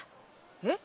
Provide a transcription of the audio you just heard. えっ？